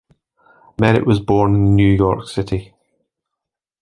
Merritt was born in New York City.